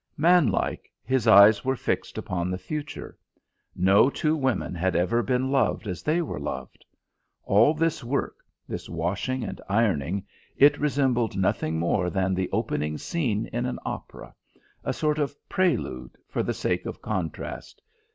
Man like, his eyes were fixed upon the future. No two women had ever been loved as they were loved. All this work, this washing and ironing, it resembled nothing more than the opening scene in an opera: a sort of prelude, for the sake of contrast.